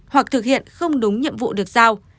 hoặc thực hiện không đúng nhiệm vụ được giao